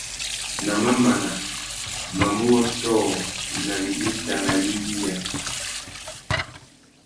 Na mamana, mamú wôtō nà winita nà « wingüiya ».